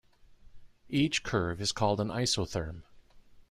Each curve is called an isotherm.